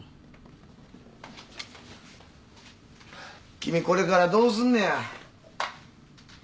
君これからどうすんねや？